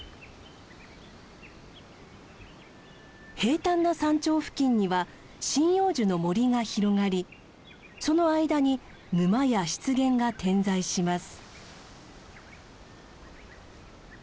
平たんな山頂付近には針葉樹の森が広がりその間に沼や湿原が点在します。